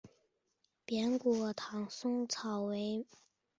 扁果唐松草为毛茛科唐松草属下的一个变种。